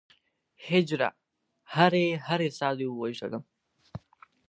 هجره! هره هره ساه دې ووژلم